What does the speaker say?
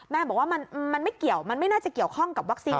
แม่บอกว่ามันไม่เกี่ยวมันไม่น่าจะเกี่ยวข้องกับวัคซีน